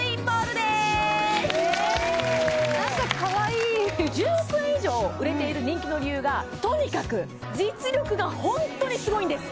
イエーイ何かかわいい１０億円以上売れている人気の理由がとにかく実力がホントにすごいんです！